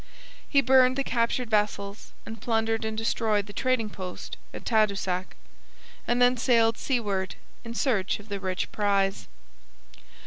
He burned the captured vessels and plundered and destroyed the trading post at Tadoussac, and then sailed seaward in search of the rich prize.